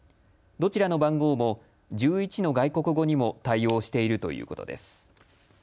どちらの番号も１１の外国語にも対応しているということです。